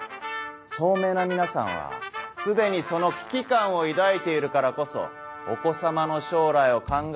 聡明な皆さんは既にその危機感を抱いているからこそお子様の将来を考え